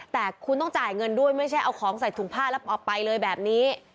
แต่คุณต้องจ่ายเงินด้วยไม่ใช่เอาของใส่ถุงผ้าแล้วออกไปเลยแบบนี้